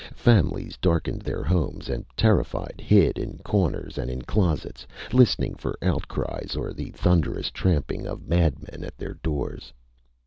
Families darkened their homes and, terrified, hid in corners and in closets, listening for outcries or the thunderous tramping of madmen at their doors.